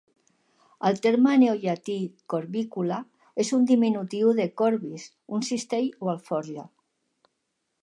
El terme neollatí "corbicula" és un diminutiu de "corbis", un cistell o alforja.